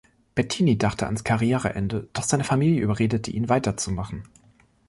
Bettini dachte ans Karriereende, doch seine Familie überredete ihn weiterzumachen.